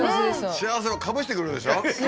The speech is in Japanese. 幸せをかぶせてくるでしょ。